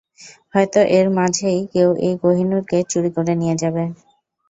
হয়তো এর মাঝেই কেউ এই কোহিনূর কে চুরি করে নিয়ে যাবে।